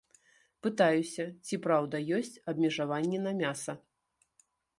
Пытаюся, ці праўда ёсць абмежаванні на мяса.